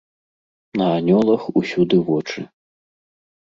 На анёлах усюды вочы.